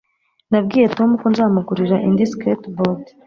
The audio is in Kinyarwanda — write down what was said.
Nabwiye Tom ko nzamugurira indi skateboard